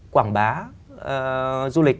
quảng bá du lịch